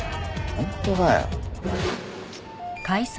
本当かよ？